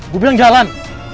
gue bilang jalan